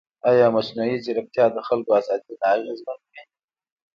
ایا مصنوعي ځیرکتیا د خلکو ازادي نه اغېزمنوي؟